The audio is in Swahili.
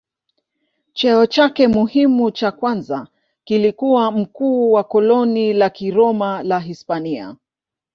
Cheo chake muhimu cha kwanza kilikuwa mkuu wa koloni la Kiroma la Hispania.